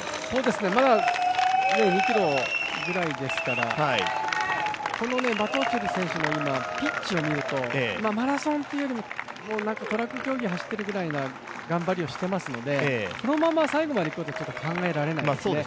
まだ２ｋｍぐらいですから、このバトオチル選手のピッチを見ると、マラソンっていうよりも、トラック競技を走ってるぐらいの頑張りをしてますのでこのまま最後までいくことは考えられないですね。